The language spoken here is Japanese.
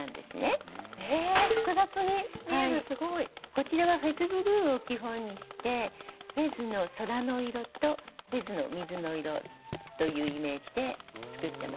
こちらはフェズブルーを基本にしてフェズの空の色とフェズの水の色というイメージで作ってます。